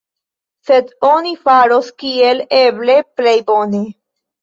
Sed oni faros kiel eble plej bone.